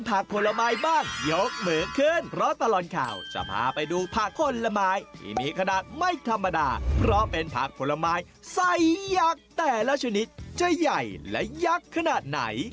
ไปติดตามพร้อมกันเลยครับ